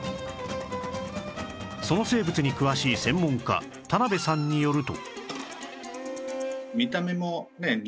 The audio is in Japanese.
その生物に詳しい専門家田辺さんによると